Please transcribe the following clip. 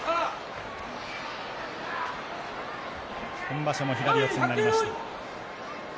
今場所も左四つになりました。